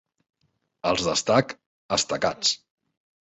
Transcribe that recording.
Els d'Estac, estacats.